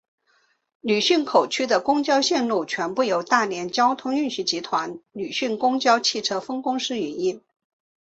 旅顺口区的公交线路全部由大连交通运输集团旅顺公交汽车分公司运营。